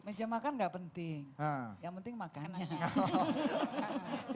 meja makan gak penting yang penting makannya